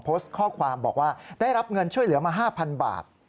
โพสต์ข้อความบอกว่าได้รับเงินช่วยเหลือมา๕๐๐บาท